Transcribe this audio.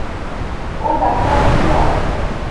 ও doctor না-কি আবার?